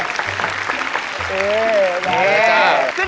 นี่